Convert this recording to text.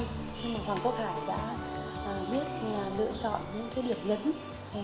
nhưng mà hoàng quốc hải đã biết lựa chọn những điểm nhấn